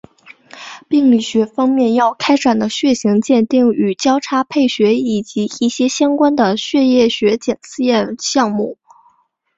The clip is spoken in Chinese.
病理学方面要开展的血型鉴定与交叉配血以及一些相关的血液学检验项目。